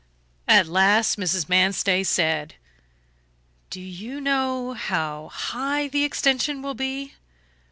At last Mrs. Manstey said: "Do you know how high the extension will be?"